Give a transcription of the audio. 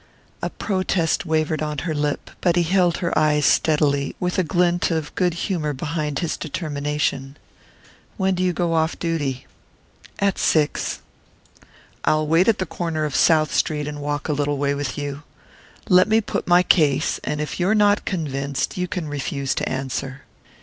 A protest wavered on her lip, but he held her eyes steadily, with a glint of good humour behind his determination. "When do you go off duty?" "At six." "I'll wait at the corner of South Street and walk a little way with you. Let me put my case, and if you're not convinced you can refuse to answer."